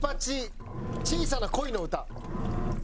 『小さな恋のうた』。